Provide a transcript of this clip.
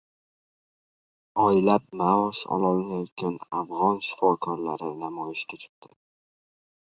Oylab maosh ololmayotgan afg‘on shifokorlari namoyishga chiqdi